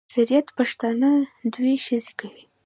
اکثریت پښتانه دوې ښځي کوي.